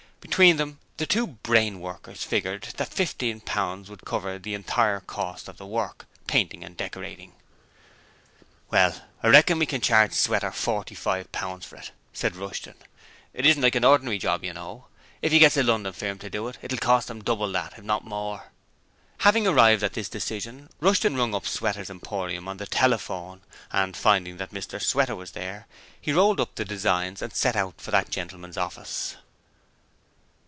Between them the two brain workers figured that fifteen pounds would cover the entire cost of the work painting and decorating. 'Well, I reckon we can charge Sweater forty five pounds for it,' said Rushton. 'It isn't like an ordinary job, you know. If he gets a London firm to do it, it'll cost him double that, if not more.' Having arrived at this decision, Rushton rung up Sweater's Emporium on the telephone, and, finding that Mr Sweater was there, he rolled up the designs and set out for that gentleman's office.